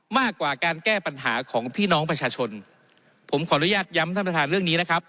มากกว่าการแก้ปัญหาของพี่น้องประชาชนผมขออนุญาตย้ำท่านประธานเรื่องนี้นะครับ